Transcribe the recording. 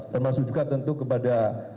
termasuk juga tentu kepada